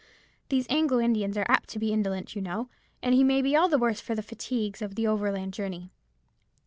These Anglo Indians are apt to be indolent, you know, and he may be all the worse for the fatigues of the overland journey.